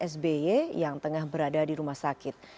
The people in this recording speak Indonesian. sby yang tengah berada di rumah sakit